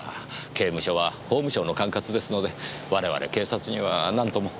刑務所は法務省の管轄ですので我々警察にはなんとも。